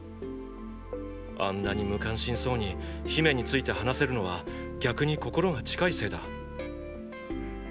あんなに無関心そうに姫について話せるのは逆に心が近いせいだ。